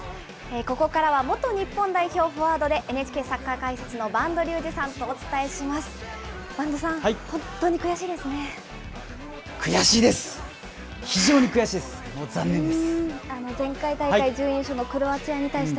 ここからは元日本代表フォワードで、ＮＨＫサッカー解説の播戸竜二さんとお伝えします。